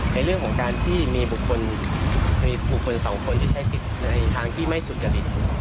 ในเรื่องของการที่มีบุคคลสองคนที่ใช้สิทธิ์ในทางที่ไม่สุจริต